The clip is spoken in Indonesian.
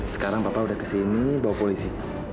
sekarang bapak udah kesini bawa polisi